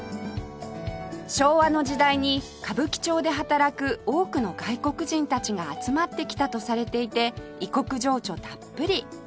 昭和の時代に歌舞伎町で働く多くの外国人たちが集まってきたとされていて異国情緒たっぷり